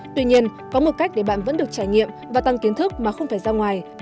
tuy nhiên có một cách để bạn vẫn được trải nghiệm và tăng kiến thức mà không phải ra ngoài